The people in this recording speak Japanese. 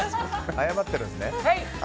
謝ってるんですね。